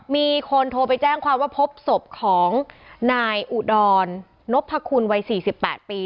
มีคนโทรไปแจ้งความว่าพบศพของนายอุดรนพคุณวัย๔๘ปี